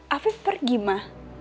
afif pergi ma